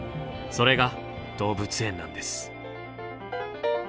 それが動物園なんです。